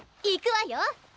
いくわよ！